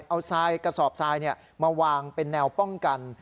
เอาทรายกระสอบทรายมาวางเป็นแนวป้องกัน